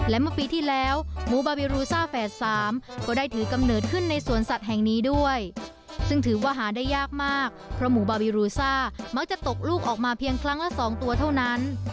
และเมื่อปีที่แล้วหมูบาบิรูซ่าแฝด๓ก็ได้ถือกำเนิดขึ้นในสวนสัตว์แห่งนี้ด้วยซึ่งถือว่าหาได้ยากมากเพราะหมูบาบิรูซ่ามักจะตกลูกออกมาเพียงครั้งละ๒ตัวเท่านั้น